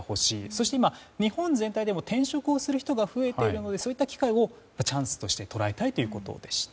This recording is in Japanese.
そして、日本全体でも転職をする人が増えているのでそういった機会をチャンスとして捉えたいということでした。